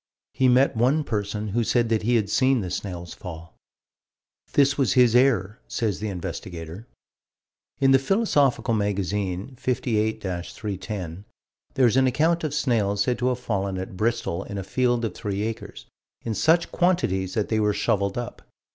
He met one person who said that he had seen the snails fall. "This was his error," says the investigator. In the Philosophical Magazine, 58 310, there is an account of snails said to have fallen at Bristol in a field of three acres, in such quantities that they were shoveled up.